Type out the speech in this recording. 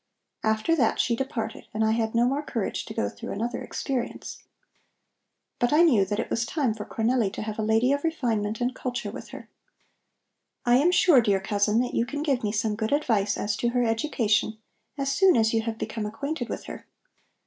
After that she departed and I had no more courage to go through another experience. But I knew that it was time for Cornelli to have a lady of refinement and culture with her. I am sure, dear cousin, that you can give me some good advice as to her education, as soon as you have become acquainted with her."